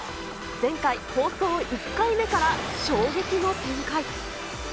前回、放送１回目から衝撃の展開。